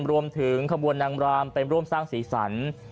รวมถึงขบวนนางรามเป็นร่วมสร้างศีรษร